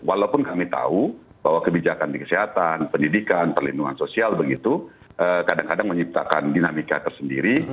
walaupun kami tahu bahwa kebijakan di kesehatan pendidikan perlindungan sosial begitu kadang kadang menciptakan dinamika tersendiri